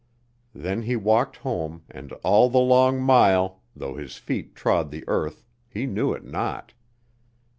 Then he walked home, and all the long mile, though his feet trod the earth, he knew it not.